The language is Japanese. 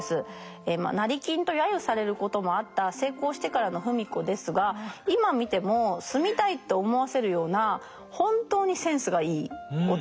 成金と揶揄されることもあった成功してからの芙美子ですが今見ても住みたいと思わせるような本当にセンスがいいお宅です。